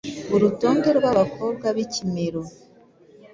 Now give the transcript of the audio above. Urutonde rw’abakobwa b’ikimero